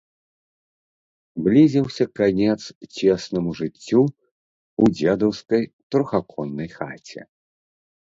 Блізіўся канец цеснаму жыццю ў дзедаўскай трохаконнай хаце.